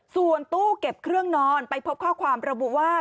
ส่วนตู้เก็บเครื่องนอนไปพบข้อความระบุว่า